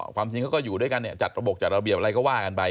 ความจริงเขาก็อยู่ด้วยกันเนี่ยจัดระบบจัดระเบียบอะไรก็ว่ากันไป